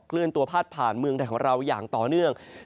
เลื่อนตัวพาดผ่านเมืองไทยของเราอย่างต่อเนื่อง